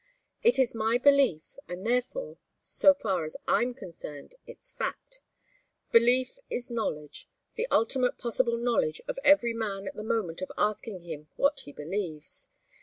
It's my belief, and, therefore, so far as I'm concerned, it's fact. Belief is knowledge the ultimate possible knowledge of every man at the moment of asking him what he believes.